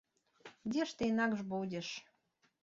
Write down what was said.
Дзе ж ты інакш будзеш.